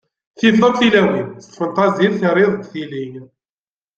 Tifeḍ akk tilawin, s tfentaẓit terriḍ-d tili.